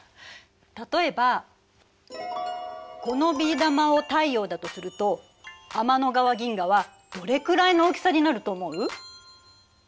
例えばこのビー玉を太陽だとすると天の川銀河はどれくらいの大きさになると思う？